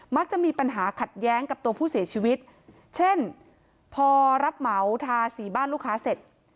มักจะมีปัญหาขัดแย้งกับตัวผู้เสียชีวิตเช่นพอรับเหมาทาสีบ้านลูกค้าเสร็จ